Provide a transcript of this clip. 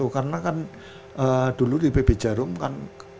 karena kan dulu di pb jarum kan